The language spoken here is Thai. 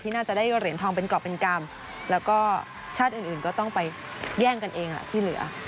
น่าจะได้เหรียญทองเป็นกรอบเป็นกรรมแล้วก็ชาติอื่นก็ต้องไปแย่งกันเองที่เหลือ